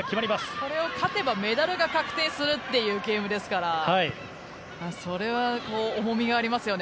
これを勝てばメダルが確定するっていうゲームですからそれは重みがありますよね